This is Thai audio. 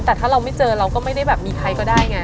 แต่ถ้าเราไม่เจอเราก็ไม่ได้แบบมีใครก็ได้ไง